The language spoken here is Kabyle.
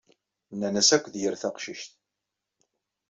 Nnan-as akk d yir taqcict.